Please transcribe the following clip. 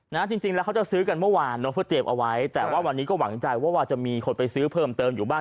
จริงจริงแล้วเขาจะซื้อกันเมื่อวานเนอะเพื่อเตรียมเอาไว้แต่ว่าวันนี้ก็หวังใจว่าจะมีคนไปซื้อเพิ่มเติมอยู่บ้าน